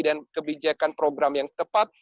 dan kebijakan program yang tepat